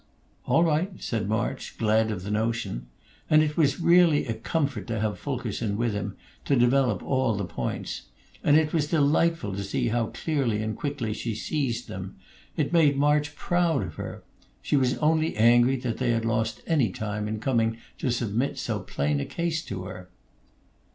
"All right," said March, glad of the notion; and it was really a comfort to have Fulkerson with him to develop all the points; and it was delightful to see how clearly and quickly she seized them; it made March proud of her. She was only angry that they had lost any time in coming to submit so plain a case to her.